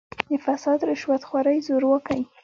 د «فساد، رشوت خورۍ، زورواکۍ